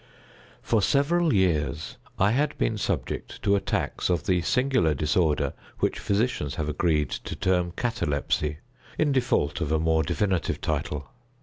For several years I had been subject to attacks of the singular disorder which physicians have agreed to term catalepsy, in default of a more definitive title.